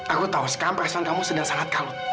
aku tahu sekarang perasaan kamu sedang sangat kalut